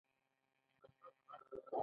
سختۍ د قدر وړ دي.